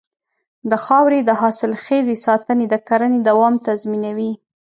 د خاورې د حاصلخېزۍ ساتنه د کرنې دوام تضمینوي.